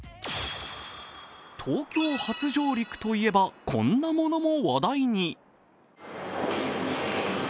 東京初上陸といえば、こんなものも話題に。